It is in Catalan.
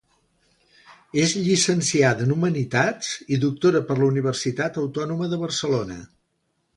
És llicenciada en humanitats i doctora per la Universitat Autònoma de Barcelona.